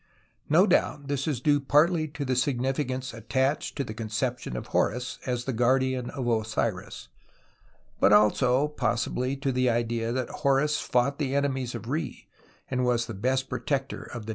Xo doubt this is due partly to the significance attached to the conception of Ilorus as the guardian of Osiris, but also possibly to the idea that Ilorus fought the enemies of lie and was the best protector of the deified dead.